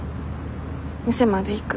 店まで行く。